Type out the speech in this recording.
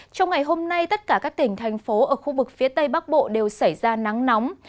trong ngày hôm nay tất cả các tỉnh thành phố ở khu vực phía tây bắc bộ đều xảy ra nắng nóng